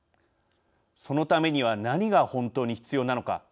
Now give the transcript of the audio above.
そのためには何が本当に必要なのか